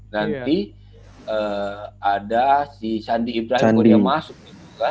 nanti ada sandi ibrahim kalau dia masuk